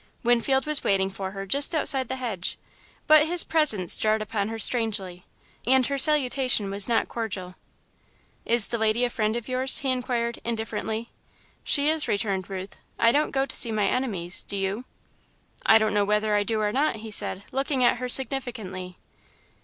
Winfield was waiting for her, just outside the hedge, but his presence jarred upon her strangely, and her salutation was not cordial. "Is the lady a friend of yours?" he inquired, indifferently. "She is," returned Ruth; "I don't go to see my enemies do you?" "I don't know whether I do or not," he said, looking at her significantly.